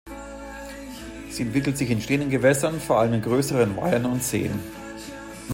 Sie entwickelt sich in stehenden Gewässern, vor allem in größeren Weihern und Seen.